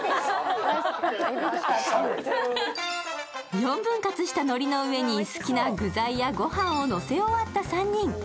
四分割したのりの上に好きな具材や御飯をのせ終わった３人。